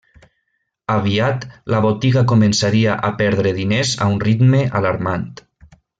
Aviat, la botiga començaria a perdre diners a un ritme alarmant.